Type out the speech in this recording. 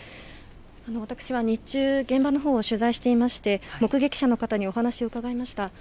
私は日中現場のほうを取材していまして目撃者の方にお話を伺いました。